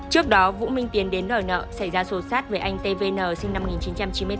trước đó vũ minh tiến đến đòi nợ xảy ra xô sát với anh tvn sinh năm một nghìn chín trăm chín mươi tám